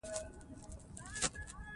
آمو سیند د افغانستان د کلتوري میراث برخه ده.